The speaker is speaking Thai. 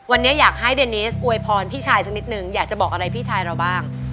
วันนี้อยากให้เดนิสอวยพรพี่ชายสักนิดนึงอยากจะบอกอะไรพี่ชายเราบ้าง